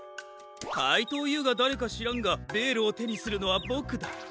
かいとうＵがだれかしらんがベールをてにするのはボクだ。